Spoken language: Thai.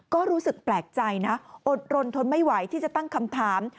ก็รู้สึกแปลกใจนะอดรนทนไม่ไหวที่จะตั้งคำถาม